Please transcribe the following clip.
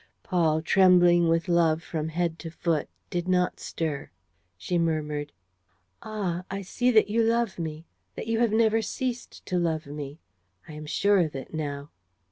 Paul, trembling with love from head to foot, did not stir. She murmured: "Ah, I see that you love me ... that you have never ceased to love me! ... I am sure of it now